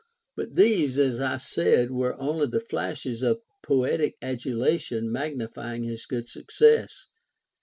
But these, as I said, were only the flashes of poetic adu lation magnifying his good success.